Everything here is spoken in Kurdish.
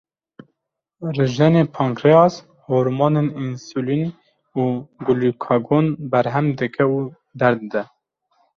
Rijenê pankreas, hormonên însulîn û glukagon berhem dike û der dide.